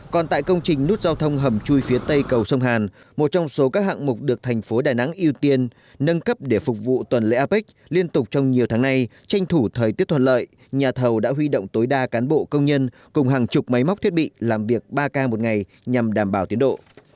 còn tại công trình nút giao thông hầm chui phía tây cầu sông hàn một trong số các hạng mục được thành phố đà nẵng ưu tiên nâng cấp để phục vụ tuần lễ apec liên tục trong nhiều tháng nay tranh thủ thời tiết thuận lợi nhà thầu đã huy động tối đa cán bộ công nhân cùng hàng chục máy móc thiết bị làm việc ba k một ngày nhằm đảm bảo tiến độ